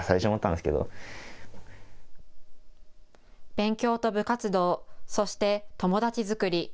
勉強と部活動、そして、友達作り。